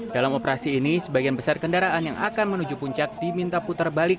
dalam operasi ini sebagian besar kendaraan yang akan menuju puncak diminta putar balik